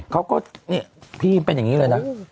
พี่เพิ่งเป็นแบบนี้เลยนะ